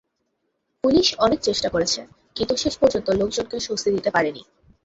Police অনেক চেষ্টা করেছে, কিন্তু শেষ পর্যন্ত লোকজনকে স্বস্তি দিতে পারেনি।